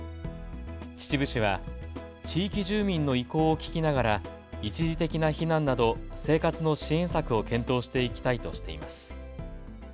秩父市は地域住民の意向を聞きながら一時的な避難など生活の支援策を検討していきたいとしています。